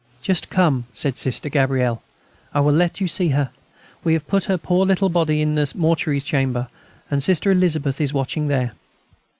"Just come," said Sister Gabrielle. "I will let you see her. We have put the poor little body in the mortuary chamber, and Sister Elizabeth is watching there."